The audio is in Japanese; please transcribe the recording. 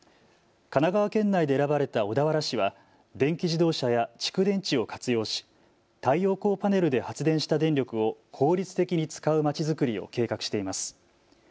神奈川県内で選ばれた小田原市は電気自動車や蓄電池を活用し太陽光パネルで発電した電力を効率的に使うまちづくりを計画しています。